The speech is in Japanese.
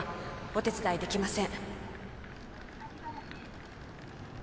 お手伝いできません